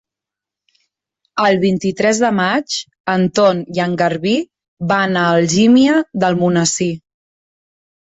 El vint-i-tres de maig en Ton i en Garbí van a Algímia d'Almonesir.